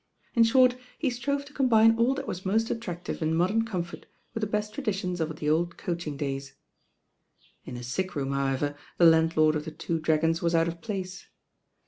In short, he strove to combine all that was most attrac tive in modem comfort with the best traditions of the old coaching days. In a sick room, however, the landlord of "The Two Dragons" was out of place.